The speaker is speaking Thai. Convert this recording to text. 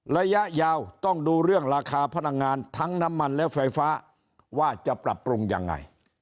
ระยะยาวต้องดูเรื่องราคาพลังงานทั้งน้ำมันและไฟฟ้าว่าจะปรับปรุงยังไง